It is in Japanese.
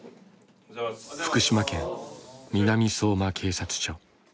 福島県南相馬警察署。